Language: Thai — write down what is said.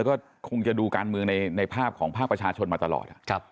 แล้วก็คงจะดูการเมืองในภาพของภาคประชาชนมาตลอด